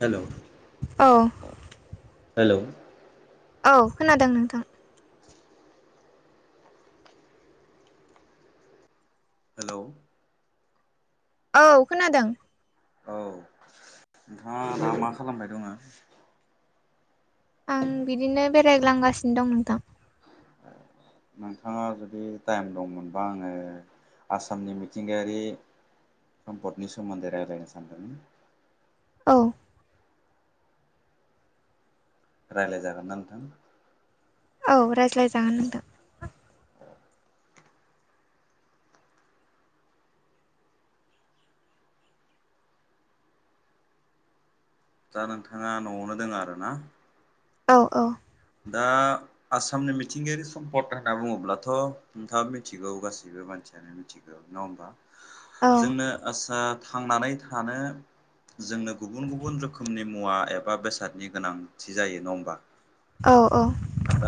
Hello औ hello औ खोनादों नोंथां। हेलौ औ खोनादों। नोंथाङा दा मा खालामबाय दङो? आं बिदिनो बेरायग्लांगासिन दं नोंथां। नोंथाङा जुदि टाइम दंमोनबा आङो आसामनि मिथिंगायारि सम्फद नि सोमोन्दै रायज्लायनो सानदोंमोन। औ रायलाय जागोनना नोंथां? औ रायज्लायजागोन नोंथां। दा नोंथाङा न'आवनो दोङो आरो ना? औ औ। दा आसामनि मिथिंगायारि सम्पद होनना बुङोब्लाथ' नोंथाङा मिथिगौ गासैबो मा मानसियानो मिनथिगौ। नङा होमबा? औ जोंनो आसा थांनानै थानो जोंनो गुबुन गुबुन रोखोमनि मुवा एबा बेसादनि गोनांथि जायो। नङा ओमबा? औ औ।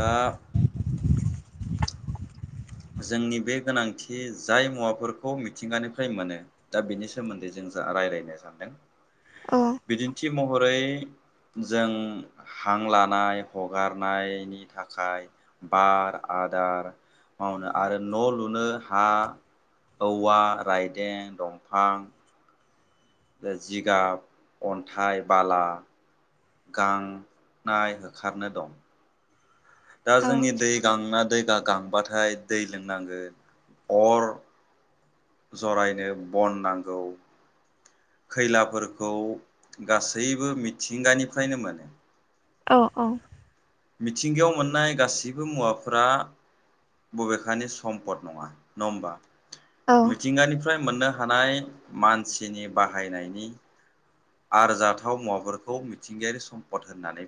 दा जोंनि बे गोनांथि जाय मुवाफोरखौ मिथिंगानिफ्राय मोनो दा बिनि सोमोन्दै जोङो जा रायलायनो सानदों। औ बिदिन्थि महरै जों हां लानाय हगारनायनि थाखाय बार आ आदार मावनो आरो न' लुनो हा औवा, रायदें, दंफां बे जिगाब, अन्थाइ, बाला गां नाय होखारनो दं। दा औ जोंनि दै गांना दै दा गांबाथाय दै लोंनांगोन। अर जरायनो बन नांगौ। खैलाफोरखौ गासैबो मिथिंगानिफायनो मोनो। औ औ मिथिंगायाव मोननाय गासैबो मुवाफोरा बबेखानि सम्पद नङा। नङा ओमबा? मिथिंगानिफ्राय मोननो हानाय मानसिनि बाहायनायनि आरजाथाव मुवाफोरखौ मिथिंगायारि सम्पद होननानै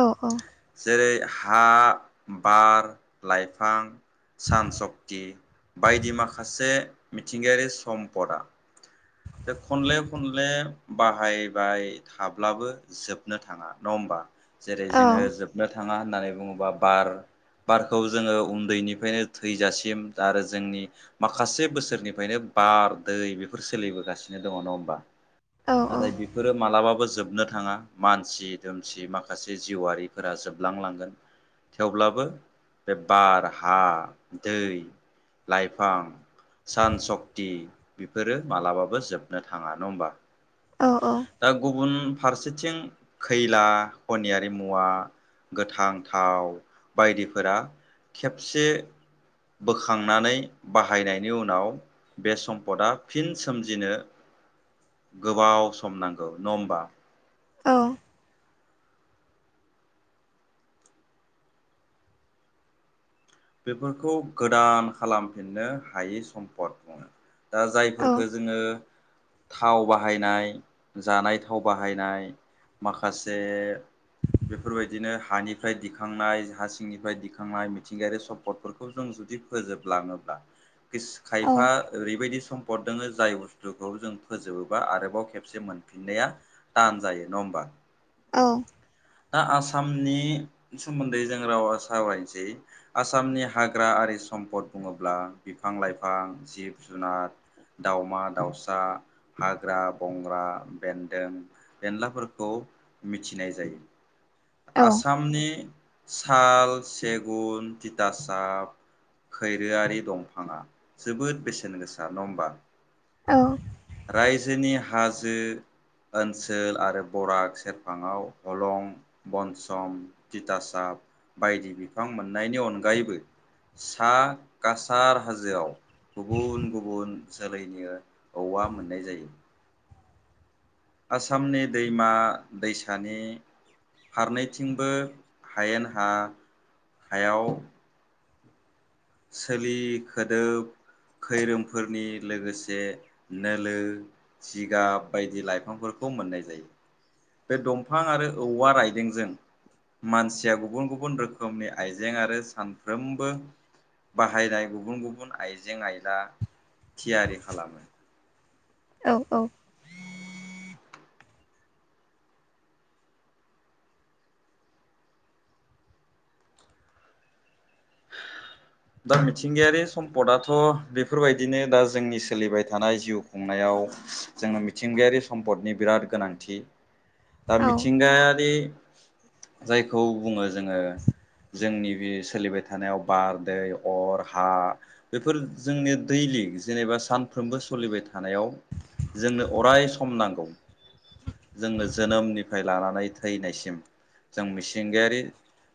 औ जेरै हा बार लाइफां सान सक्ति बायदि माखासे मिथिंगायारि सम्पदा दे खनले खनले बाहायबाय थाब्लाबो जोबनो थाङा। नङा ओमबा? जेरै जोङो जोबनो थाङा होननानै बुङोबा बार बारखौ जोङो उन्दैनिफ्रायनो थैजासिम दारो जोंनि माखासे बोसोरनिफ्रायनो बार, दै बेफोर सोलिबोगासिनो दङ। नङा होमबा? औ नाथाय औ बेफोरो मालाबाबो जोब नो थाङा मानसि दुमसि माखासे जिउआरिफोरा जोबलां लांगोन। थेवब्लाबो बे बार, हा, दै लाइफां सान सक्ति बेफोरो मालाबाबो जोबनो थाङा नङा ओमबा औ दा गुबुन फारसेथिं खैला खनियारि मुवा गोथां थाव बायदिफोरा खेबसे बोखांनानै बाहायनायनि उनाव बे सम्पदा फिन सोमजिनो गोबाव सम नांगौ नङा ओमबा औ बेफोरखौ गोदान खालामफिननो हायि सम म्पद बुङो दा जायफोरफोरखौ जोङो थाव बाहायनाय जानाय थाव बाहायनाय माखासे बेफोरबायदिनो हानिफ्राय दिखांनाय हा सिंनिफ्राय दिखांनाय मिथिंगायारि सम्पदफोरखौ जों जुदि फोजोबलाङोब्ला खायफा ओरैबायदि सम सम्पद दोङो जाय बुस्थुखौ जों फोजोबोबा आरोबाव खेबसे मोनफिननाया थान जायो नङा ओमबा औ दा आसामनि सोमोन्दै जों रावा सावरायनोसै आसामनि हाग्रा आरि सम्पद बुङोब्ला बिफां लाइफां जिब जुनार दावमा दाउसा हाग्रा बंग्रा बेन्दों बेनलाफोरखौ मिथिनाय जायो आसामनि साल सेगुन तिथासाब खैरोआरि दंफाङा जोबोद बेसेन गोसा नङा ओमबा औ रायजोनि हाजो ओनसोल आरो बराग सेरफाङाव हलं बनसम तिथासाप बायदि बिफां मोननायनि अनगायैबो सा कासार हाजोआव गुबुन गुबुन जोलैनि औवा मोननाय जायो। आसामनि दैमा दैसानि फारनैथिंबो हायेन हा हायाव सोलि खोदोब खैरोमफोरनि लोगोसे नोलो जिगाब बायदि लाइफांफोरखौ मोननाय जायो। बे दंफां आरो औवा रायदोंजों मानसिया गुबुन गुबुन रोखोमनि आइजें आरो सानफ्रोमबो बाहायनाय गुबुन गुबुन आइजें आयला थियारि खालामो औ औ [inaudible] दा मिथिंगायारि सम्पदाथ' बेफोर बायदिनो दा जोंनि सोलिबाय थानाय जिउ खुंनायाव आव जोंनो मिथिंगायारि सम्पदनि बिराद गोनांथि। दा मिथिंगायारि जायखौ बुङो जोङो जोंनि बे सोलिबाय था थानायाव बार दै अर हा बेफोर जोंनि दैलिक जेनेबा सानफ्रोमबो सलिबाय थानायाव जोंनो अराय सम नांगौ। जोंनो जोनोमनिफ्राय लानानै थैनायसिम जों मिसिंगायारि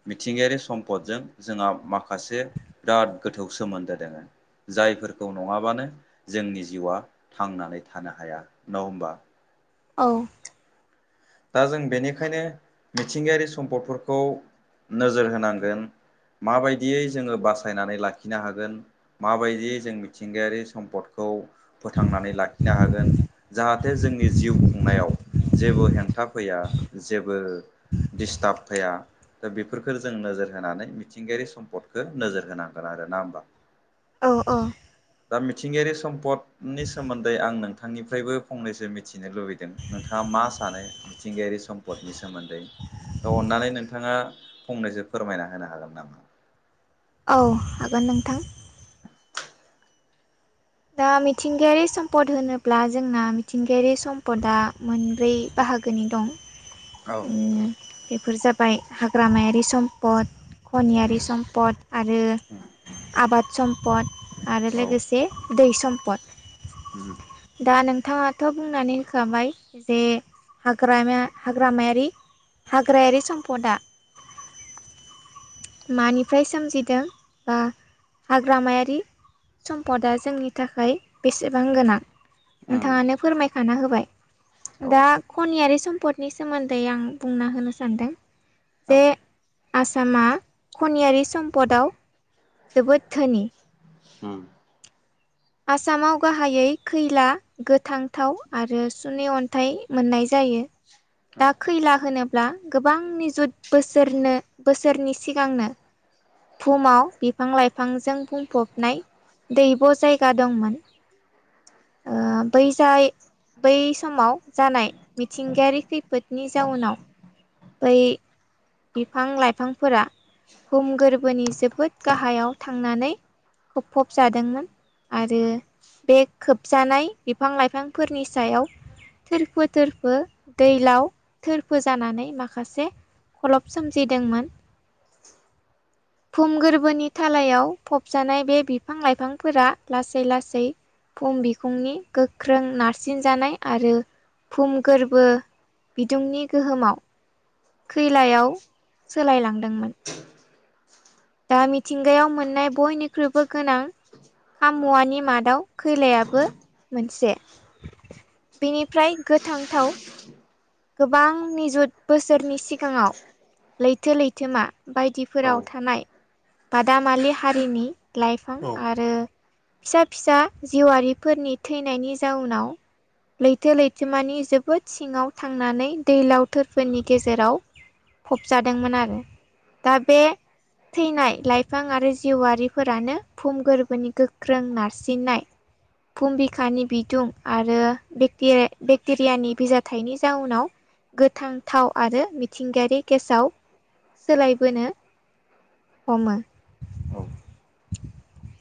मिथिंगायारि सम्पदजों जोंहा माखासे बिराद गोथौ सोमोन्दो दोङो। जायफोरखौ नङाबानो जोंनि जिउआ थांनानै थानो हाया नङ होमबा औ दा जों बेनिखायनो मिथिंगायारि सम्पदफोरखौ नोजोर होनांगोन। माबायदियै जोङो बासायनानै लाखिनो हागोन माबायदियै जों मिथिंगायारि सम्पदखौ फोथांनानै लाखिनो हागोन जाहाथे जोंनि जिउ खुंनायाव जेबो हेंथ था फैया जेबो दिडस्ट्ब फैया। दा बेफोरखोनो जों नोजोर होनानै मिथिंगायारि सम्पदखौ नोजोर होनांगोन आरो ना होमबा? औ औ दा मिथिंगायारि सम्पदनि सोमोन्दै आं नोंथांनिफ्रायबो फंनैसो मिथिनो लुबैदों नोंथाङा। मा सानो मिथिंगायारि सम्पदनि सोमोन्दै औ अननानै नोंथाङा फंनैसो फोरमायना होनो हागोन नामा? औ हागोन नोंथां। दा मिथिंगायारि सम्पद होनोब्ला जोंना मिथिंगायारि सम्पदा। मोनब्रै बाहागोनि दं। औ ओम बेफोर जाबाय हाग्रामायारि सम्पद उम खनियारि सम्पद आरो आबाद सम्पद आरो लोगोसे दै सम्पद दा नों थाङाथ' बुंनानै होखाबाय जे हागामा हाग्रामायारि हाग्रायारि सम्पदआ [inaudible] मानिफ्राय सोमजिदों बा हाग्रामायारि सम्पदा जोंनि थाखाय बेसेबां गोनां। उम नोंथाङानो फोरमायखाना होबाय औ दा खनियारि सम स्पदनि सोमोन्दै आं बुंना होनो सानदों औ जे आसामा खनियारि सम्पदाव जोबोद धोनि उम। आसामाव गाहायै खैला आरो सुनि अन्थाइ मोननाय जायो। औ दा खैला होनो ब्ला गोबां निजुत बोसोरनो बोसोरनि सिगांनो। भुमाव बिफां लाइफांजों मं दैब' जायगा दंमोन ओ बैजाय बै समाव जानाय मिथिंगायारि खैफोदनि जाउनाव बै बिफां लाइफांफोरा भुम गोर बोनि जोबोद गाहायाव थांनानै हम मज आरो बे खोबजानाय बिफां लाइफांफोरनि सायाव थोरफो थोरफो दैलाव थोरफो जानानै माखासे खलब सोमजिदोंमोन। [unintelligible] भुम गोरबोनि थालायाव फबजानाय बे बिफां लाइफांफोरा लासै लासै भुम बिखुंनि गोख्रों नारसिनजानाय आरो भुम गोरबो बिदुंनि गोहोमाव खैलायाव सोलायलांदोंमोन। दा मिथिंगायाव मोननाय बयनिख्रुइबो गोनां। खाम मुवानि मादाव खैलायाबो मोनसे। बिनिफ्राय गोथांथाव गोबां निजुत बोसोरनि सिगाङाव। लैथो लैथोमा औ बायदिफोराव थानाय बादामालि हारिनि। लाइफां आरो फिसा फिसा जिउआरिफोरनि थैनायनि जाउनाव। लैथो लैथोमानि जोबोद सिङाव थांनानै दैलाव थोरफोरनि गेजेराव‌‌ थांनानै फबजादोंमोन आरो दा बे थैनाय लाइफां आरो जिउआरारिफोरानो भुम गोरबोनि गोख्रों नारसिननाय भुम बिखानि बिदुं आरो बेक्टेरियानि बिजाथाइनि जाउनाव गोथां थाव आरो मिथिंगायारि गेसाव सोलायबोनो हमो। [unintelligible]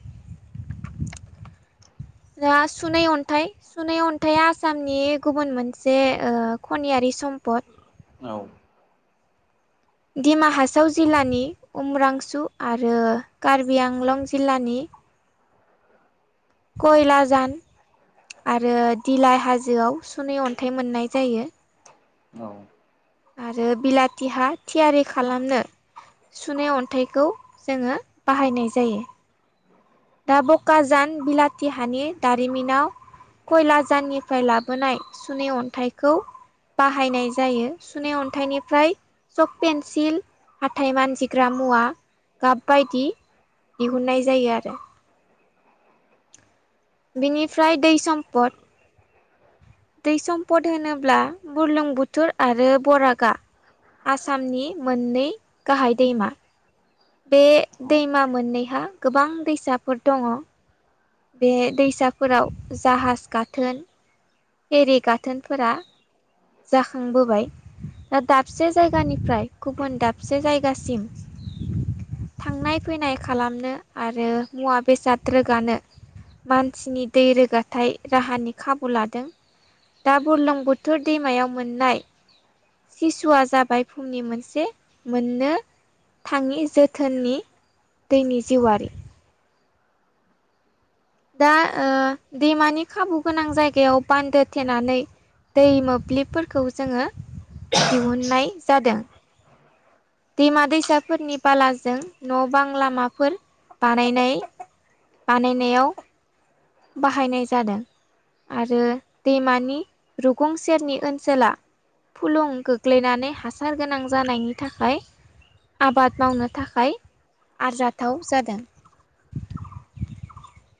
[inaudible] दा सुनै अनथाइ सुनै अनथाइया आसामनि गुबुन मोनसे खनियारि सम पद औ दिमा हासाव जिल्लानि उमरांसु आरो कार्बि आंलं जिल्लानि कयला जान आरो दिलाइ हाजोआव सुनै अनथाइ मोननाय जायो। औ आरो बिलाथि हा थियारि खालामनो सुनै अनथाइखौ जोङो बाहायनाय जायो। दा बकाजान बिलाथिहानि दारिमिनाव कयलाजाननिफ्राय लाबोनाय सुनै अनथाइखौ बाहायनाय जायो। सुनाय अनथाइनिफ्राय चक पेन्सिल हाथाय मानजिग्रा मुवा गाब बायदि दिहुननाय जायो आरो। बिनिफ्राय दै समपद दै समपद होनोब्ला बुरलुंबुथोर आरो बरागा आसामनि मोननै गाहाय दैमा। बे दैमा मोननैहा गोबां दैसाफोर दङ। बे दैसाफोराव जाहाज गाथोन एरि गाथोनफोरा जाखांबोबाय दा दाबसे जायगानिफ्राय गुबुन दाबसे जायगासिम थांनाय फैनाय खालामनो आरो मुवा बेसाद रोगानो मानसिनि दै रोगाथाय राहानि खाबु लादों। दा बुरलुंबुथुर दैमायाव मोननाय सिसुआ जाबाय फुंनि मोनसे मोननो थाङि जोथोननि दैनि जिउआारि। दा दैमानि खाबु गोनां जायगायाव बान्दो थेनानै दै मोब्लिबफोरखौ जोङो दिहुननाय जादों। दैमा दैसाफोरनि बालाजों न' बां लामाफोर बानायनाय बानायनायाव बाहायनाय जादों। आरो दैमानि रुगुं सेरनि ओनसोला फुलुं गोग्लैनानै हासार गोनां जानायनि थाखाय आबाद मावनो थाखाय आरजाथाव जादों। [inaudible]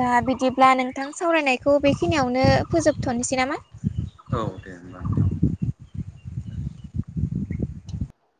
दा बिदिब्ला नोंथां सावरायनायखौ बेखिनियावनो फोजोबथ'नोसै नामा? औ दे होमबा नोंथां।